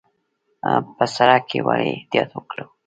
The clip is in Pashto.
په سړک کې ولې احتیاط وکړو؟